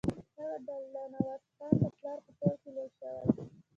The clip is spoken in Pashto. هغه د الله نوازخان د پلار په کور کې لوی شوی.